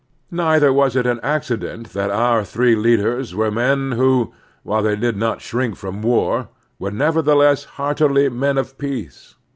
Neither was it an accident that otir three leaders were men who, while they did not shrink from war, were nevertheless heartily men of peace.